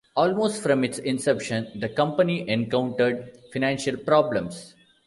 Almost from its inception, the company encountered financial problems.